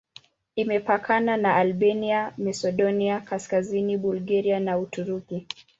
Imepakana na Albania, Masedonia Kaskazini, Bulgaria na Uturuki.